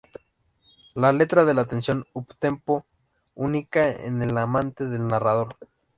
La letra de la atención uptempo única en la amante del narrador.